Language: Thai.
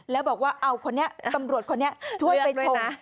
แล้วบอกว่าเอาคนนี้ตำรวจคนนี้ช่วยไปชม